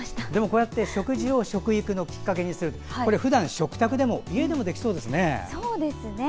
こうやって食事を食育のきっかけにするってこれ、ふだん食卓でも家でもできそうですね。